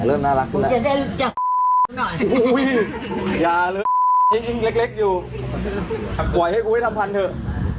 เริ่มน่ารักกูแล้วนะอย่าเลิกอยู่ปล่อยให้กูให้ทำพันเถอะ